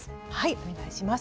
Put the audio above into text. お願いします。